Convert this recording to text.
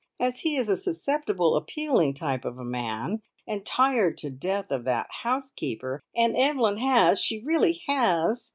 As he is a susceptible, appealing type of a man, and tired to death of that housekeeper, and Evelyn has she really has!